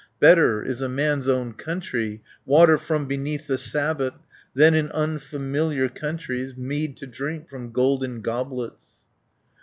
Better is a man's own country, Water from beneath the sabot, Than in unfamiliar countries, Mead to drink from golden goblets."